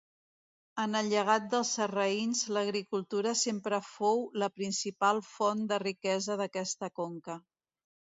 En el llegat dels sarraïns l'agricultura sempre fou la principal font de riquesa d'aquesta conca.